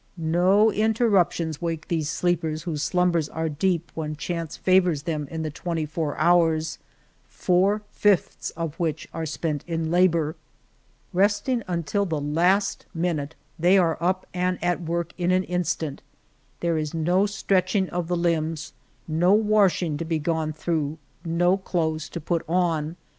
No interruptions wake these sleepers whose slumbers are deep when chance favors them in the twenty four hours — four fifths of which are spent in labor. Resting until the last minute, they are up and 153 El Toboso at work in an instant. There is no stretching of the limbs, no washing to be gone through, no clothes to put on.